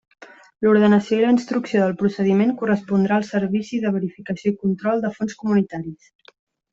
L'ordenació i la instrucció del procediment correspondrà al Servici de Verificació i Control de Fons Comunitaris.